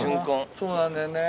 そうなんだよね。